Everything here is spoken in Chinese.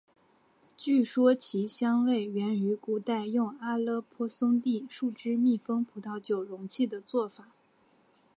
据说其香味源于古代用阿勒颇松的树脂密封葡萄酒容器的做法。